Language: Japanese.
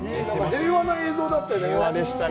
平和な映像だったね。